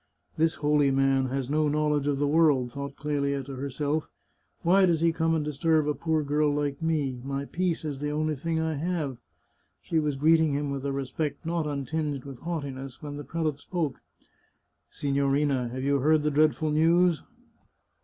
" This holy man has no knowledge of the world," thought Clelia to herself. " Why does he come and disturb a poor girl like me ? My peace is the only thing I have !" She was greeting him with a respect not untinged with haughtiness when the prelate spoke :" Signorina, have you heard the dreadful news